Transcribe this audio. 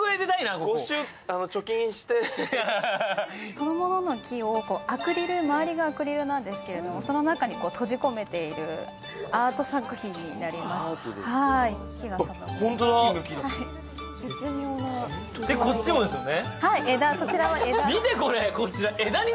そのものの木を、周りがアクリルなんですけどその中に閉じ込めているアート作品になりますこっちもですよね。